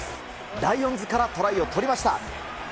ライオンズからトライを取りました。